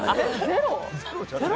ゼロ？